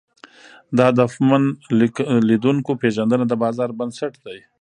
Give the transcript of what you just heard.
د هدفمن لیدونکو پېژندنه د بازار بنسټ ده.